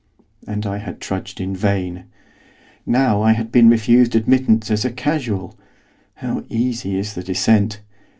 And I had trudged in vain. Now I had been refused admittance as a casual, how easy is the descent!